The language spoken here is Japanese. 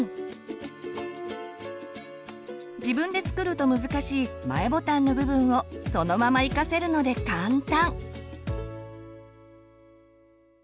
自分で作ると難しい前ボタンの部分をそのまま生かせるので簡単！